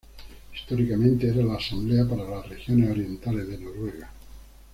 Históricamente era la asamblea para las regiones orientales de Noruega.